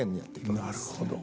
なるほど。